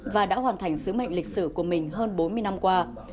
và đã hoàn thành sứ mệnh lịch sử của mình hơn bốn mươi năm qua